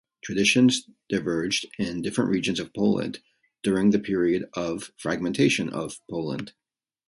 Traditions diverged in different regions of Poland during the period of fragmentation of Poland.